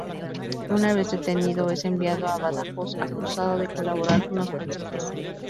Una vez detenido es enviado a Badajoz acusado de colaborar con los franceses.